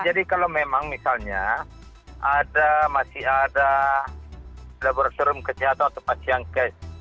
jadi kalau memang misalnya ada masih ada laboratorium kesehatan atau pasien case